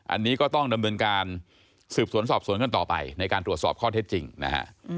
อันนี้ก็ต้องดำเนินการสืบสวนสอบสวนกันต่อไปในการตรวจสอบข้อเท็จจริงนะฮะ